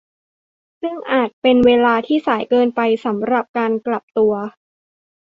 ซึ่งอาจเป็นเวลาที่สายเกินไปสำหรับการกลับตัว